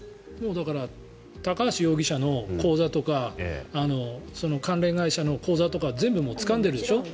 だから高橋容疑者の口座とか関連会社の口座とか全部つかんでいるでしょう。